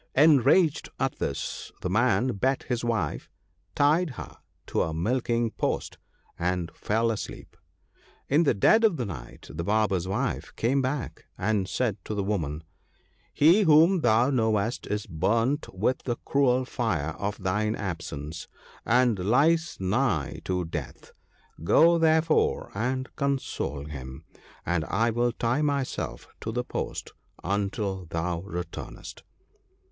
Enraged at this, the man beat his wife, tied her to the milking post, and fell asleep. In the dead of the night the Barber's wife came back, and said to the woman, ' He whom thou knowest is burnt with the cruel fire of thine absence, and lies nigh to death ; go therefore and console him, and I will tie myself to the post until thou returnest.